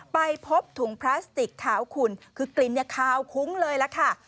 ไปพบถุงพลาสติกขาวขุ่นคือกลิ่นคาวคุ้งเลยล่ะค่ะ